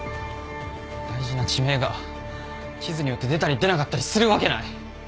大事な地名が地図によって出たり出なかったりするわけない！